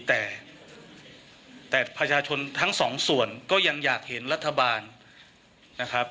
แต่แต่ประชาชนทั้งสองส่วนก็ยังอยากเห็นรัฐบาลนะครับ